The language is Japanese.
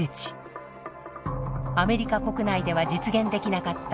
アメリカ国内では実現できなかった